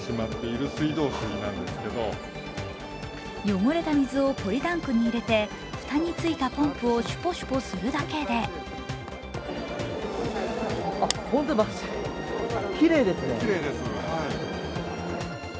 汚れた水をポリタンクに入れて蓋についたポンプをシュポシュポするだけであ、ホントにきれいですね。